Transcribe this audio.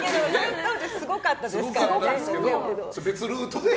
当時すごかったですからね。